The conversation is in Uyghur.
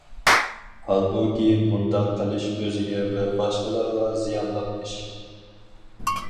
ھالبۇكى مۇنداق قىلىش ئۆزىگە ۋە باشقىلارغا زىيانلىق ئىش.